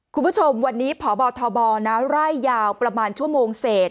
คุณผู้ชมวันนี้พบทบไล่ยาวประมาณชั่วโมงเศษ